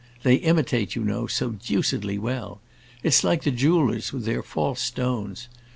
They imitate, you know, so deucedly well. It's like the jewellers, with their false stones.